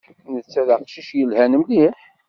Netta d aqcic yelhan mliḥ.